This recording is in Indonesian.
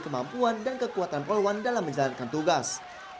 kemampuan dan kekuatan polwan dalam menjalankan tugas